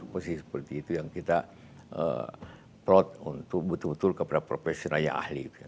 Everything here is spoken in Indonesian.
posisi seperti itu yang kita plot untuk betul betul kepada profesional yang ahli